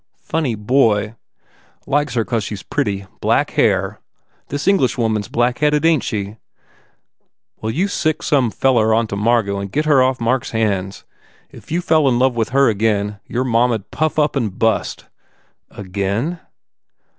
Funny boy. Likes her cause she s pretty. Black hair. This English woman s blackheaded, ain t she? ... Well, you sic some feller onto Margot and get her off Mark s hands. If you fell in love with her again, your mamma d puff up and bust." "Again?"